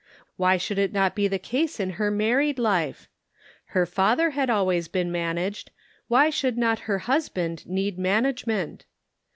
Why should it not be the case in her married life? Her father had al ways been managed, why should not her husband need management